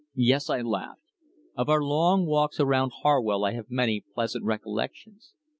"Yes," I laughed. "Of our long walks around Harwell I have many pleasant recollections.